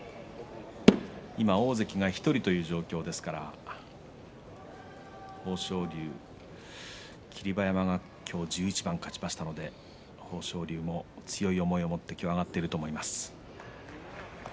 今、大関が１人という状況ですから豊昇龍、霧馬山が今日１１番勝ちましたので豊昇龍も強い思いを持って上がっていると思います。